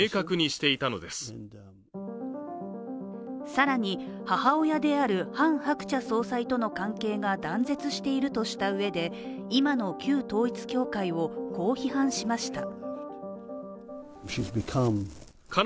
更に、母親であるハン・ハクチャ総裁との関係が断絶しているとしたうえで今の旧統一教会をこう批判しました。